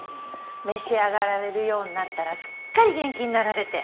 召し上がられるようになったらすっかり元気になられて。